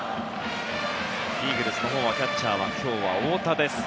イーグルスのほうはキャッチャーは今日は太田です。